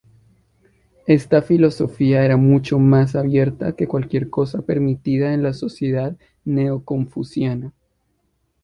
Esta filosofía era mucho más abierta que cualquier cosa permitida en la sociedad neo-confuciana.